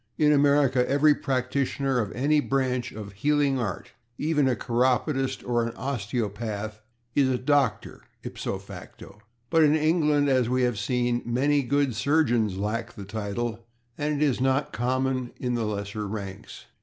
In America every practitioner of any branch of the healing art, even a chiropodist or an osteopath, is a doctor /ipso facto/, but in England, as we have seen, a good many surgeons lack the title and it is not common in the lesser ranks.